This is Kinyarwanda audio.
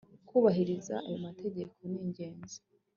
kubahiriza ayo mategeko ni ingenzi